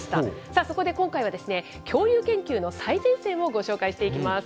さあ、そこで今回は、恐竜研究の最前線をご紹介していきます。